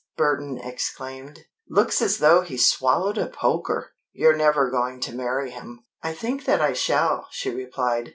Burton exclaimed. "Looks as though he'd swallowed a poker! You're never going to marry him!" "I think that I shall," she replied.